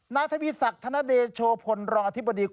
นาทวิสักธณดชคลน